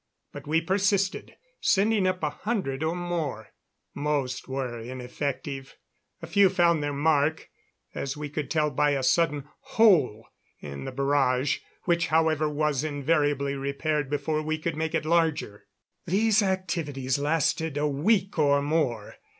But we persisted, sending up a hundred or more. Most were ineffective; a few found their mark, as we could tell by a sudden "hole" in the barrage, which, however, was invariably repaired before we could make it larger. These activities lasted a week or more.